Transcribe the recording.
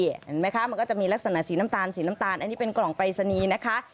เห็นไหมคะมันก็จะมีลักษณะสีน้ำตาลสีน้ำตาลอันนี้เป็นกล่องปรายศนีย์นะคะ